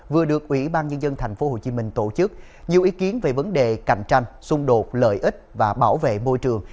vừa được ubnd tp hcm tổ chức nhiều ý kiến về vấn đề cạnh tranh xung đột lợi ích và bảo vệ môi trường